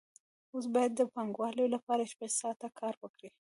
اوس باید د پانګوال لپاره شپږ ساعته کار وکړي